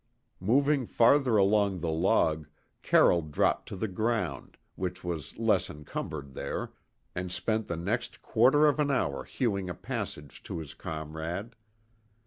Moving farther along the log, Carroll dropped to the ground, which was less encumbered there, and spent the next quarter of an hour hewing a passage to his comrade.